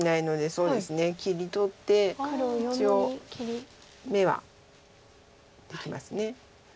そうですね切り取って一応眼はできます。